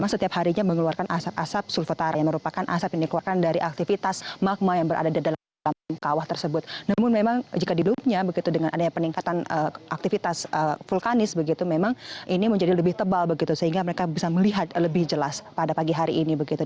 sehingga mereka bisa melihat lebih jelas pada pagi hari ini